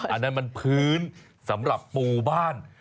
อันนั้นมันพื้นสำหรับปูบ้าน